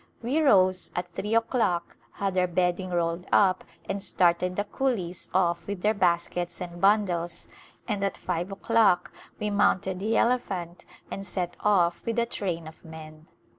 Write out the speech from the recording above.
We rose at three o'clock, had our bedding rolled up and started the coolies off with their baskets and bundles, and at five o'clock we mounted the elephant and set off with a train of men.